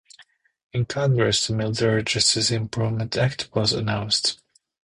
In Congress, the "Military Justice Improvement Act" was announced.